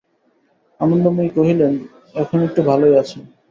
আনন্দময়ী কহিলেন, এখন একটু ভালোই আছেন।